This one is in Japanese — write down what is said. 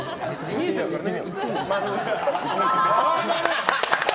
見えてるからね、○。